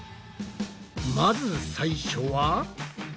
まず最初は。